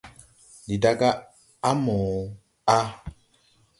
Ndi da gá á mo a.